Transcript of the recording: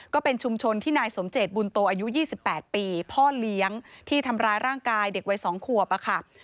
ก็เป็นชุมชนที่นายสมเจตบุญโตอายุ๒๘ปีพ่อเลี้ยงที่ทำร้ายร่างกายเด็กวัย๒ขวบค่ะ